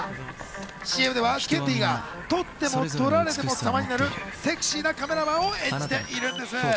ＣＭではケンティーがとってもとられてもサマになるセクシーなカメラマンを演じているんです。